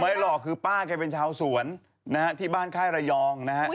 ไม่หรอกคือป้ากันเป็นชาวสวนที่บ้านค่ายระยองนะฮะ